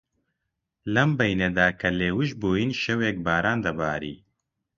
لەم بەینەدا کە لە لێوژە بووین، شەوێک باران دەباری